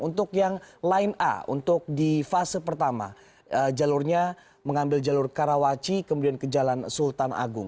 untuk yang line a untuk di fase pertama jalurnya mengambil jalur karawaci kemudian ke jalan sultan agung